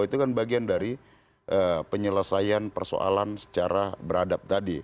itu kan bagian dari penyelesaian persoalan secara beradab tadi